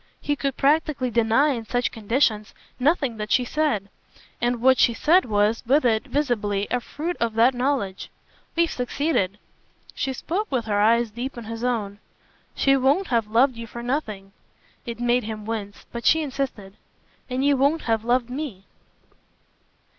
He could practically deny in such conditions nothing that she said, and what she said was, with it, visibly, a fruit of that knowledge. "We've succeeded." She spoke with her eyes deep in his own. "She won't have loved you for nothing." It made him wince, but she insisted. "And you won't have loved ME."